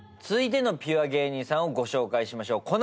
続いてのピュア芸人さんをご紹介しましょう。